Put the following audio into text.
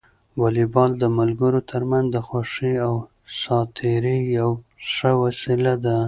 واليبال د ملګرو ترمنځ د خوښۍ او ساعت تېري یوه ښه وسیله ده.